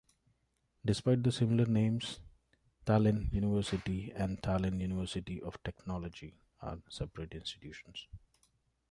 Despite the similar names, Tallinn University and Tallinn University of Technology are separate institutions.